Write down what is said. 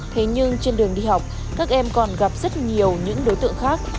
thế nhưng trên đường đi học các em còn gặp rất nhiều những đối tượng khác